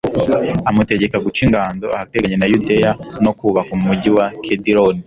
amutegeka guca ingando ahateganye na yudeya no kubaka umugi wa kedironi